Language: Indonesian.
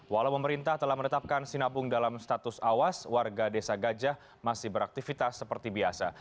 walau pemerintah telah menetapkan sinabung dalam status awas warga desa gajah masih beraktivitas seperti biasa